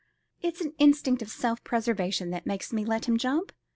It's an instinct of self preservation that makes me let him jump.